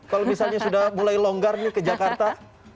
kalau misalnya sudah mulai longgar nih ke jakarta